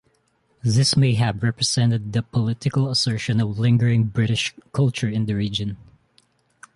This may have represented the political assertion of lingering British culture in the region.